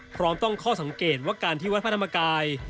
พร้อมตั้งข้อสังเกตว่าการที่วัดพระธรรมกาย